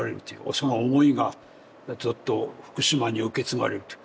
その思いがずっと福島に受け継がれるという。